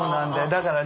だからね